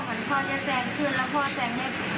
พ่อเหมือนพ่อจะแซงขึ้นแล้วพ่อแซงให้